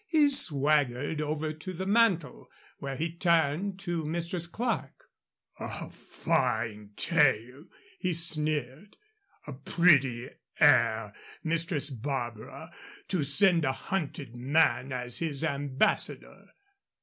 He swaggered over to the mantel, where he turned to Mistress Clerke. "A fine tale!" he sneered. "A pretty heir, Mistress Barbara, to send a hunted man as his ambassador."